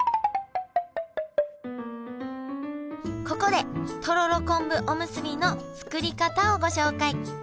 ここでとろろ昆布おむすびの作り方をご紹介。